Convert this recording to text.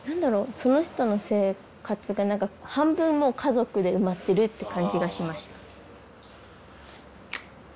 その人の生活が何か半分もう家族で埋まってるって感じがしました。